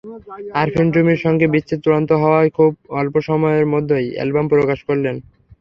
আরফিন রুমির সঙ্গে বিচ্ছেদ চূড়ান্ত হওয়ার খুব অল্প সময়ের মধ্যেই অ্যালবাম প্রকাশ করলেন।